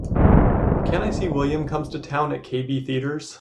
Can I see William Comes to Town at KB Theatres